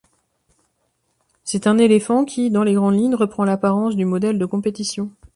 C’est une Elefant qui, dans les grandes lignes, reprend l’apparence du modèle de compétition.